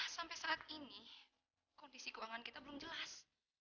sampai saat ini kondisi keuangan kita belum jelas